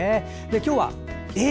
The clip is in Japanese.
今日はえっ！